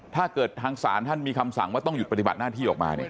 ถ้าเกิดทางศาลท่านมีคำสั่งว่าต้องหยุดปฏิบัติหน้าที่ออกมาเนี่ย